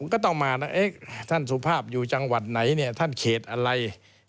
ก็ต้องมานะท่านสุภาพอยู่จังหวัดไหนเนี่ยท่านเขตอะไร